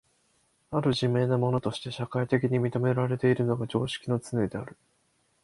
或る自明なものとして社会的に認められているのが常識のつねである。